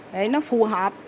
để nó phù hợp